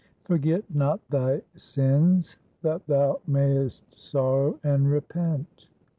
"Forget not thy sins that thou mayest sorrow and repent."